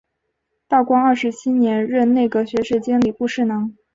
道光二十七年任内阁学士兼礼部侍郎。